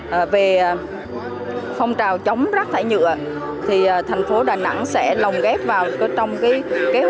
hiện nay sở tài nguyên môi trường vẫn đang khẳng trương triển khai các hỗ trợ cho các địa phương để cung cấp các dụng cụ cũng như trang thiết bị